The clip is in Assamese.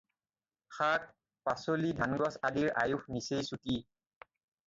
শাক, পাচলি ধানগছ আদিৰ আয়ুষ নিচেই চুটি।